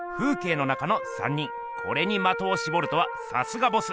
これにまとをしぼるとはさすがボス。